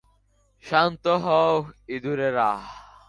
শান্ত হও, ইঁদুরেরা।